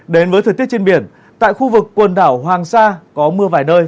đến với thời tiết trên biển tại khu vực quần đảo hoàng sa có mưa vài nơi